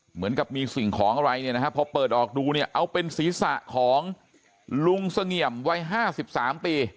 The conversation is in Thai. เหมือนกับมีสิ่งของอะไรเนี่ยนะฮะพอเปิดออกดูเนี่ยเอาเป็นศีรษะของลุงเสงี่ยมวัย๕๓ปี